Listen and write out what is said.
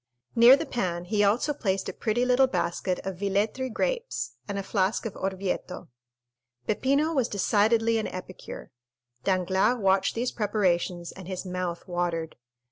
Near the pan he also placed a pretty little basket of Villetri grapes and a flask of Orvieto. Peppino was decidedly an epicure. Danglars watched these preparations and his mouth watered.